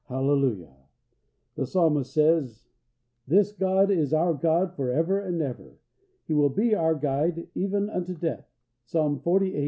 Hallelujah! The Psalmist says: "This God is our God for ever and ever: He will be our Guide even unto death" (Psalm xlviii.